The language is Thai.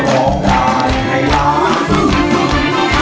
ร้องได้ร้องได้